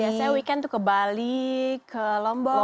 biasanya weekend tuh ke bali ke lombok